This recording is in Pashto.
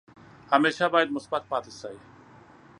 همیشه باید مثبت پاتې شئ.